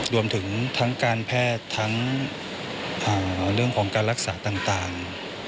รวมถึงทั้งการแพทย์ทั้งเรื่องของการรักษาต่าง